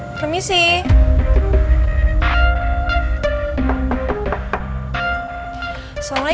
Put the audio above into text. enggak milik presidente